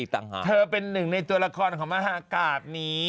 เธอเป็นหนึ่งในตัวละครของมหากราบนี้